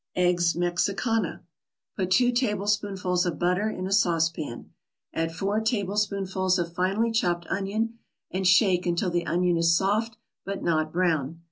EGGS MEXICANA Put two tablespoonfuls of butter in a saucepan. Add four tablespoonfuls of finely chopped onion and shake until the onion is soft, but not brown.